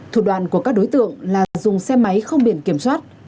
thủ đoàn của các đối tượng là dùng xe máy không biển kiểm soát